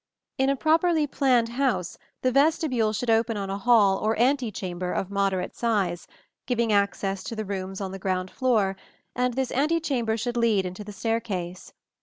In a properly planned house the vestibule should open on a hall or antechamber of moderate size, giving access to the rooms on the ground floor, and this antechamber should lead into the staircase.